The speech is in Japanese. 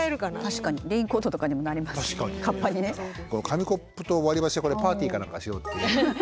紙コップと割り箸はこれパーティーか何かしようと？